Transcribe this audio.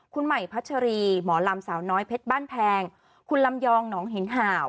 คุณมัยภาษภิรีฯหมอลำสาวน้อยเพศบ้านแพงคุณลำยองน้องเห็นห่าว